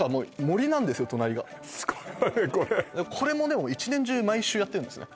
これこれもでも一年中毎週やってんですね